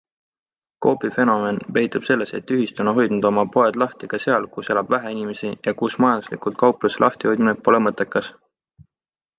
Coopi fenomen peitub selles, et ühistu on hoidnud oma poed lahti ka seal, kus elab vähe inimesi ja kus majanduslikult kaupluse lahtihoidmine pole mõttekas.